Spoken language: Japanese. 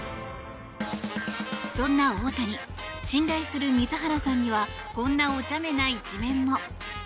そんな大谷信頼する水原さんにはこんなおちゃめな一面も。